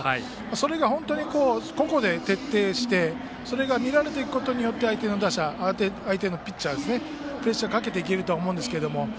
それが本当に個々で徹底してそれが見られることによって相手のピッチャーにプレッシャーをかけていけると思うんですけれども。